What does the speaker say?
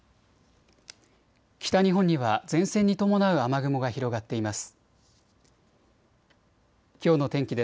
北日本には前線に伴う雨雲が広がっています。